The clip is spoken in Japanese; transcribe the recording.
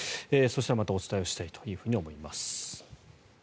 そしたらまたお伝えしたいと思います。